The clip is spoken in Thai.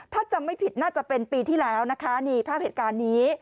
ถ้าจำไม่ผิดน่าจะเป็นปีที่แล้วนะคะนี่ภาพเหตุการณ์นี้